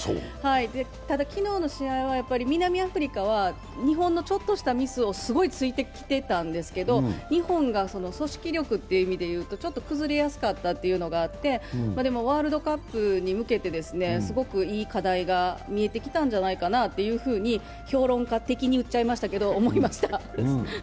ただ昨日の試合は南アフリカは日本のちょっとしたミスをすごいついてきてたんですけど、日本が組織力という意味で言うと、ちょっと崩れやすかったというのがあって、でもワールドカップに向けてすごくいい課題が見えてきたんじゃないかなというふうに評論家的に言っちゃいましたが、思いました。